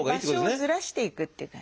場所をずらしていくっていう感じ。